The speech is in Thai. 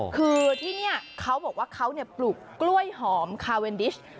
คือที่นี่เขาบอกว่าเขาปลูกกล้วยหอมคาเวนดิช